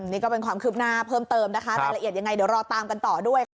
นี่ก็เป็นความคืบหน้าเพิ่มเติมนะคะรายละเอียดยังไงเดี๋ยวรอตามกันต่อด้วยค่ะ